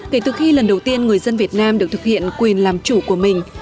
kể từ khi lần đầu tiên người dân việt nam được thực hiện quyền làm chủ của mình